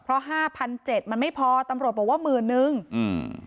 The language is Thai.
เพราะห้าพันเจ็ดมันไม่พอตำรวจบอกว่าหมื่นนึงอืม